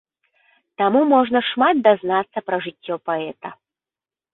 Таму можна шмат дазнацца пра жыццё паэта.